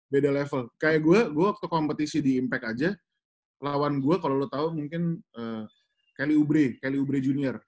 beda level kayak gue gue waktu kompetisi di impact aja lawan gue kalau lu tau mungkin kelly oubre kelly oubre jr